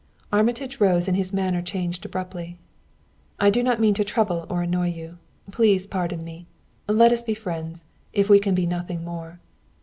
Armitage rose and his manner changed abruptly. "I do not mean to trouble or annoy you. Please pardon me! Let us be friends, if we can be nothing more."